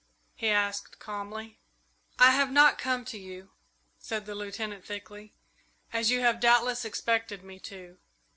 he asked calmly. "I have not come to you," said the Lieutenant, thickly, "as you have doubtless expected me to.